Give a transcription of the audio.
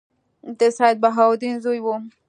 د سیدبهاءالدین زوی وو.